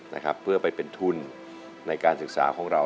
นะครับเพื่อไปเป็นทุนในการศึกษาของเรา